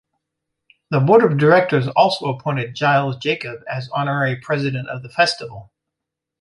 The board of directors also appointed Gilles Jacob as Honorary President of the Festival.